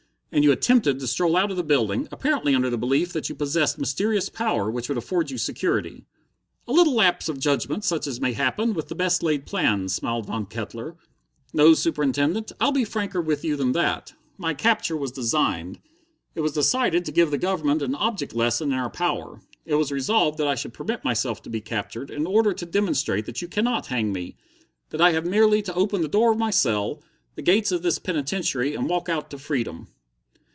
And you attempted to stroll out of the building, apparently under the belief that you possessed mysterious power which would afford you security." "A little lapse of judgment such as may happen with the best laid plans," smiled Von Kettler. "No, Superintendent, I'll be franker with you than that. My capture was designed. It was decided to give the Government an object lesson in our power. It was resolved that I should permit myself to be captured, in order to demonstrate that you cannot hang me, that I have merely to open the door of my cell, the gates of this penitentiary, and walk out to freedom."